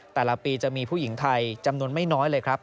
แต่ละปีจะมีผู้หญิงไทยจำนวนไม่น้อยเลยครับ